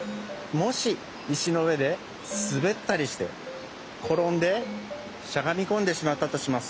もしいしのうえですべったりしてころんでしゃがみこんでしまったとします。